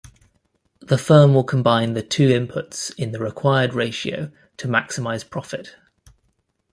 The firm will combine the two inputs in the required ratio to maximize profit.